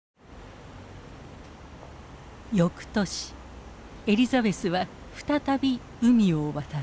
翌年エリザベスは再び海を渡る。